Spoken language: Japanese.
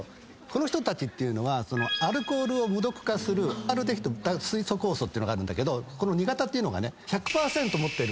この人たちっていうのはアルコールを無毒化するアルデヒド脱水素酵素っていうのがあるんだけどこの２型っていうのがね。